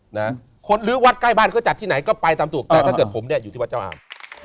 หรือวัดใกล้บ้านก็จัดที่ไหนก็ไปตามสู่แต่ถ้าเกิดผมอยู่ที่วัดเจ้าอาม